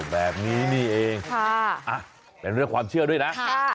แบบนี้นี่เองเป็นเรื่องความเชื่อด้วยนะ